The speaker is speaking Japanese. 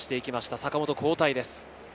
坂本、交代です。